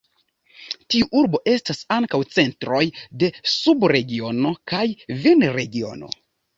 Tiu urbo estas ankaŭ centroj de subregiono kaj vinregiono.